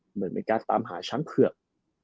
เหมือนเป็นการตามหาช้างเผือก